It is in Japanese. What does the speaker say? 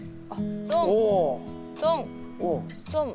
トントントン。